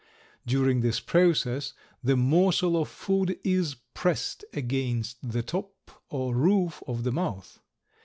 During this process the morsel of food is pressed against the top or roof of the mouth.